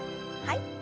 はい。